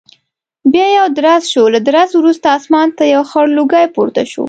بیا یو درز شو، له درزه وروسته اسمان ته یو خړ لوګی پورته شو.